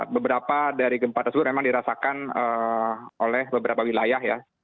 beberapa dari gempa tersebut memang dirasakan oleh beberapa wilayah ya